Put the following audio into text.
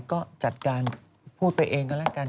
ก็จัดการพูดไปเองก็แล้วกัน